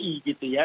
untuk bi gitu ya